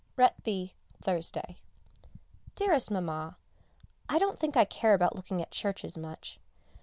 RETBY, Thursday. Dearest Mamma, I don't think I care about looking at churches much.